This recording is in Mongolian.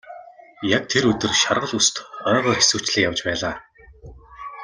Яг тэр өдөр шаргал үст ойгоор хэсүүчлэн явж байлаа.